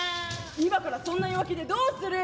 今からそんな弱気でどうする？